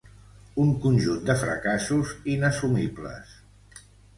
un conjunt de fracassos inassumibles